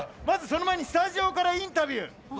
まず、その前にスタジオからインタビュー。